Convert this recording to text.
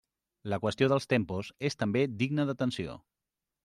La qüestió dels tempos és també digna d'atenció.